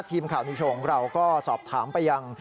ทีมข่าวนิวโชว์ของเราก็สอบถามไปยัง